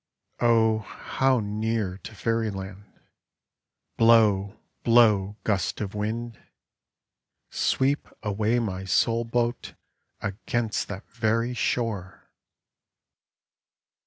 Oh, how near to Fairyland ! Blow, blow, gust of wind ! Sweep away my soul boat against that very shore